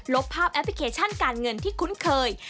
บภาพแอปพลิเคชันการเงินที่คุ้นเคย